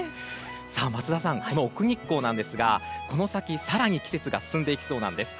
桝田さん、奥日光なんですがこの先、更に季節が進んでいきそうなんです。